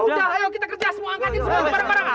ayo kita kerja semua angkatin semua